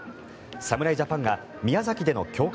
侍ジャパンが宮崎での強化